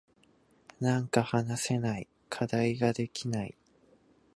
なんか話せない。課題ができない。